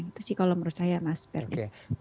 itu sih kalau menurut saya nasib